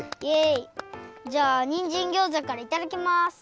じゃあにんじんギョーザからいただきます。